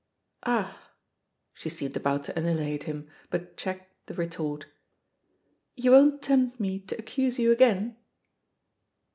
"Ahl" She seemed about to annihilate him, but checked the retort. "You won't tempt me to accuse you again!'